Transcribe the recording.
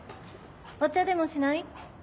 お茶でもしない？